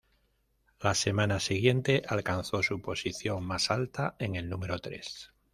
La semana siguiente alcanzó su posición más alta en el número tres.